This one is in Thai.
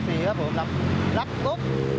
เล่นเรียนรับตรง